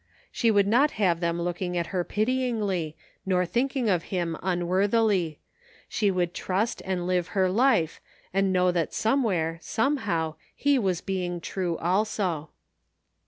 She would not have them looking at her pityingly, nor thinking of him unworthily. She would trust and live her life, and know that somewhere, some how he was being true also.